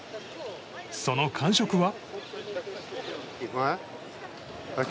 その感触は？